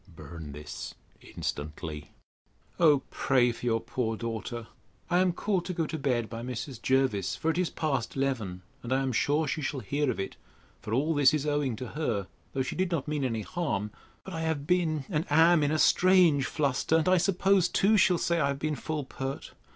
Burn this instantly.' O pray for your poor daughter. I am called to go to bed by Mrs. Jervis, for it is past eleven; and I am sure she shall hear of it; for all this is owing to her, though she did not mean any harm. But I have been, and am, in a strange fluster; and I suppose too, she'll say, I have been full pert.